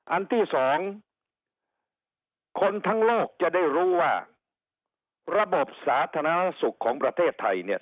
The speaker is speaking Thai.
อันที่สองคนทั้งโลกจะได้รู้ว่าระบบสาธารณสุขของประเทศไทยเนี่ย